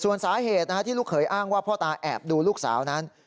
ส่วนสาเหตุที่ลูกเขยอ้างว่าพ่อตาแอบดูลูกสาวนั้น